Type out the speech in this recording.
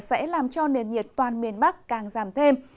sẽ làm cho nền nhiệt toàn miền bắc càng giảm thêm